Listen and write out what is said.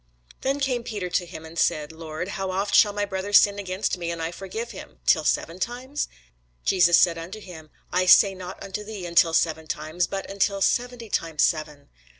Then came Peter to him, and said, Lord, how oft shall my brother sin against me, and I forgive him? till seven times? Jesus saith unto him, I say not unto thee, Until seven times: but, Until seventy times seven.